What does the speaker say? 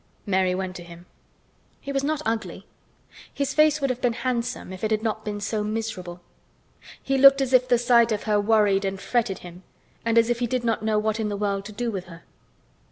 Mary went to him. He was not ugly. His face would have been handsome if it had not been so miserable. He looked as if the sight of her worried and fretted him and as if he did not know what in the world to do with her.